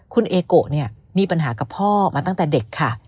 คุณเอโกะเนี่ยมีปัญหากับพ่อมาตั้งแต่เด็กค่ะ